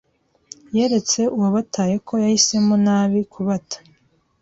yeretse uwabataye ko yahisemo nabi kubata.